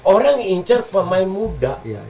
orang yang mencari pemain muda